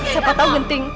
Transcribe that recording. siapa tahu benting